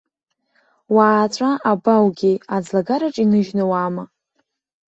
Уааҵәа абоугеи, аӡлагараҿ иныжьны уаама?